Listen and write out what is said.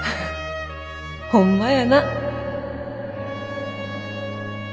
ほんまやな。